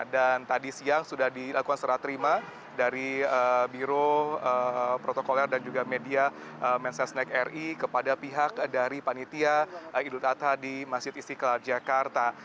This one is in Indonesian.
dan tadi siang sudah dilakukan serat terima dari biro protokoler dan juga media mensesnek ri kepada pihak dari panitia idul tata di masjid istiqlal jakarta